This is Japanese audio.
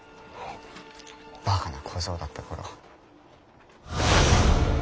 バカな小僧だった頃。